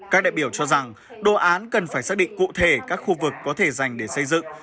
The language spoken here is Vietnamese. các đại biểu cho rằng đồ án cần phải xác định cụ thể các khu vực có thể dành để xây dựng